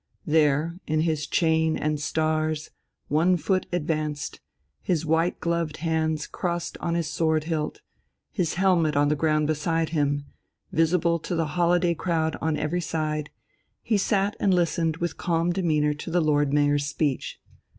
There, in his chain and stars, one foot advanced, his white gloved hands crossed on his sword hilt, his helmet on the ground beside him, visible to the holiday crowd on every side, he sat and listened with calm demeanour to the Lord Mayor's speech.